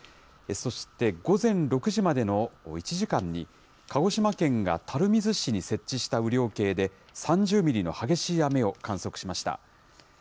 そして午前６時までの１時間に、鹿児島県が垂水市に設置した雨量計で３０ミリの激しい雨を観測しました。